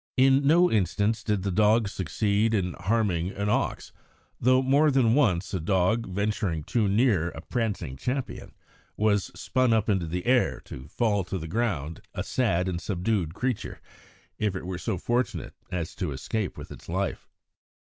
In no instance did the dogs succeed in harming an ox, though more than once a dog, venturing too near a prancing champion, was spun up into the air to fall to the ground a sad and subdued creature, if it were so fortunate as to escape with its life.